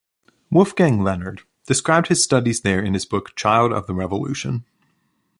Wolfgang Leonhard described his studies there in his book "Child of the revolution".